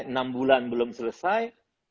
enam bulan belum selesai